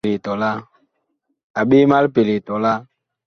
A ɓee ma lipelee tɔlaa !